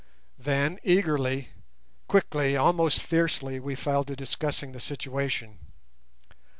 Then eagerly, quickly, almost fiercely, we fell to discussing the situation.